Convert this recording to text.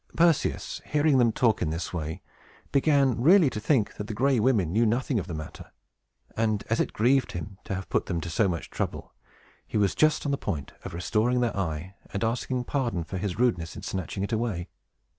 Perseus, hearing them talk in this way, began really to think that the Gray Women knew nothing of the matter; and, as it grieved him to have put them to so much trouble, he was just on the point of restoring their eye and asking pardon for his rudeness in snatching it away.